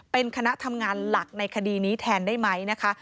เป็นคณะทำงานหลักในคดีนี้แทนได้ไหมนะคะ